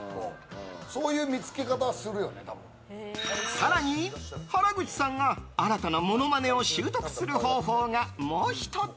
更に、原口さんが新たなモノマネを習得する方法がもう１つ。